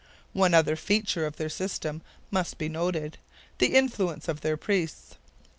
One other feature of their system must be noted the influence of their priests.